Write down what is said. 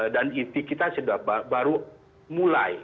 dan inti kita sudah baru mulai